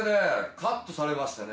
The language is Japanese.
カットされましてね。